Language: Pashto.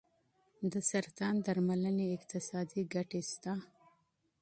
د سرطان درملنې اقتصادي ګټې شته.